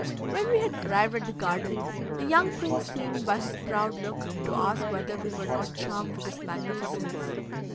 When we had arrived at the garden, the young prince seemed by his proud look to ask whether we were not charmed with its magnificence.